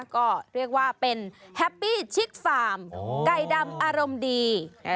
ก็เรียกว่าเป็นแฮปปี้ชิคฟาร์มไก่ดำอารมณ์ดี